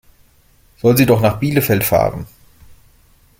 Soll sie doch nach Bielefeld fahren?